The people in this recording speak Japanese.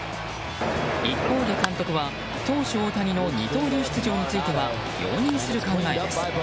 一方で監督は投手・大谷の二刀流出場については容認する考えです。